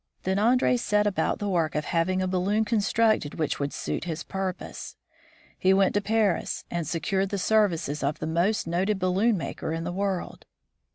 Then Andree set about the work of having a balloon constructed which would suit his purpose. He went to Paris, and secured the services of the most noted balloon maker in the world.